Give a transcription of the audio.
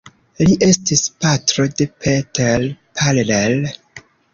Li estis patro de Peter Parler.